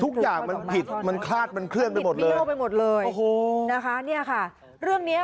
ทุกอย่างมันผิดมันคลาดมันเคลื่อนไปหมดเลยโอ้โหนะคะเนี่ยค่ะเรื่องเนี้ย